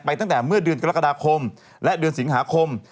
ตั้งแต่เมื่อเดือนกรกฎาคมและเดือนสิงหาคม